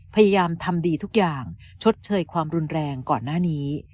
พยายามทำดีทุกอย่างชดเชยความรุนแรงก่อนหน้านี้